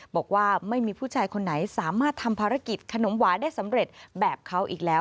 บอกว่าไม่มีผู้ชายคนไหนสามารถทำภารกิจขนมหวานได้สำเร็จแบบเขาอีกแล้ว